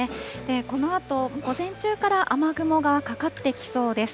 このあと午前中から雨雲がかかってきそうです。